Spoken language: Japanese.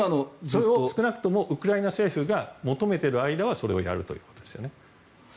それを、少なくともウクライナ政府が求めている間はずっとそれをやるということですよね。